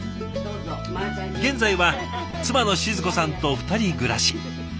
現在は妻の静子さんと２人暮らし。